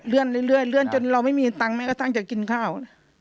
เลื่อนเรื่อยเรื่อยเลื่อนจนเราไม่มีตังค์ไหมก็ต้องจะกินข้าว